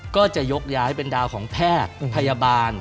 ก็จะยกย้ายเป็นดาวของแพทย์พยาบาล